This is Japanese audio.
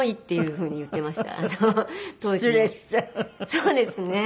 そうですね。